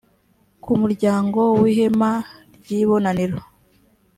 ku muryango w’ihema ry’ibonaniro